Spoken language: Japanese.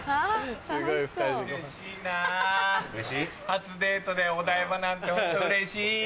初デートでお台場なんてホントうれしい！